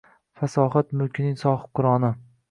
Fasohat mulkining sohibqironi